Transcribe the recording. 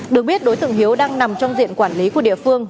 được biết đối tượng hiếu đang nằm trong diện quản lý của địa phương